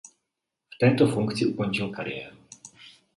V této funkci ukončil kariéru.